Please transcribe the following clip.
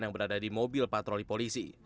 yang berada di mobil patroli polisi